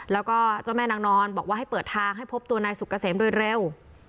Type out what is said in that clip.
แล้วก็เจ้าแม่นางนอนบอกว่าให้เปิดทางให้พบตัวนายสุกเกษมโดยเร็ว